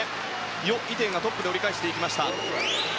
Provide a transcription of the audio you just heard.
ヨ・イテイがトップで折り返しました。